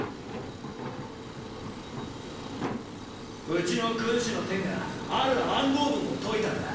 うちの軍師のテンが“ある暗号文”を解いたんだ。